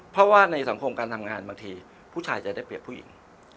เพราะว่าในสังคมการทำงานบางทีผู้ชายจะได้เปรียบผู้หญิง